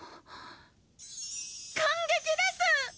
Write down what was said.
感激です！